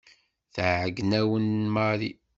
Tɛeyyen-awen Mary.